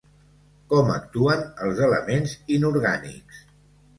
Com actuen els elements inorgànics?